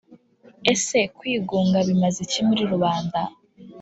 ese kwigunga bimaze iki muri rubanda